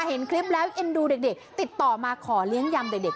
เห็นคลิปแล้วเอ็นดูเด็กติดต่อมาขอเลี้ยงยำเด็ก